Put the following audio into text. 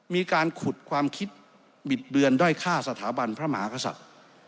มีการขุดความคิดบิดเบือนด้อยค่าสถาบันพระมหากษัตริย์